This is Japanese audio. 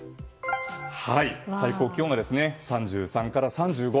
最高気温が３３から３５。